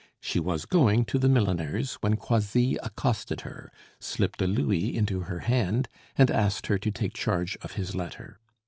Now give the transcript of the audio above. She was going to the milliner's when Croisilles accosted her, slipped a louis into her hand, and asked her to take charge of his letter.